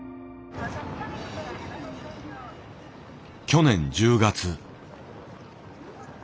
去年１０月。